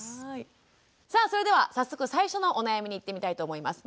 さあそれでは早速最初のお悩みにいってみたいと思います。